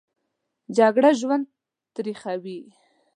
جګړه ژوند تریخوي